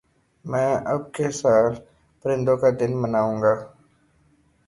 میں اب کے سال پرندوں کا دن مناؤں گا